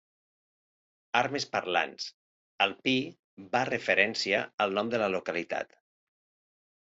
Armes parlants: el pi va referència al nom de la localitat.